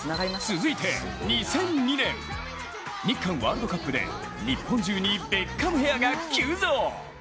続いて、２００２年、日韓ワールドカップで日本中にベッカムヘアが急増。